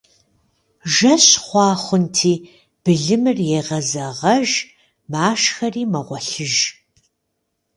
Жэщ хъуа хъунти, былымыр егъэзэгъэж, машхэри мэгъуэлъыж.